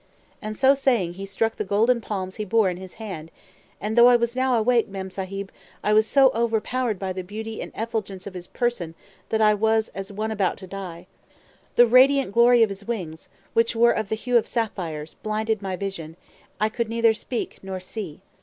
And so saying he struck the golden palms he bore in his hand; and though I was now awake, Mem Sahib, I was so overpowered by the beauty and effulgence of his person, that I was as one about to die. The radiant glory of his wings, which were of the hue of sapphires, blinded my vision; I could neither speak nor see.